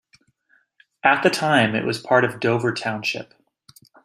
At the time, it was part of Dover Township.